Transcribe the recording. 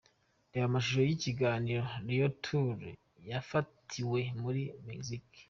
Reba amashusho y’ikiganiro ’The Royal Tour’ cyafatiwe muri Mexique.